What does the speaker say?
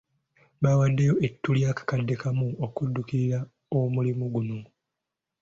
Baawaddeyo ettu lya kakadde kamu okudduukirira omulimu guno.